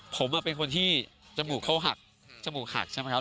ผมเป็นคนที่จมูกเขาหักจมูกหักใช่ไหมครับ